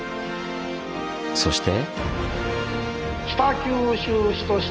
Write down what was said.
そして。